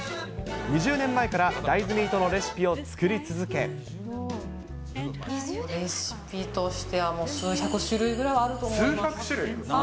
２０年前から大豆ミートのレシピレシピとしてはもう数百種類数百種類？